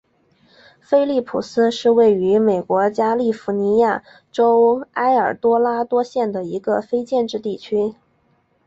菲利普斯是位于美国加利福尼亚州埃尔多拉多县的一个非建制地区。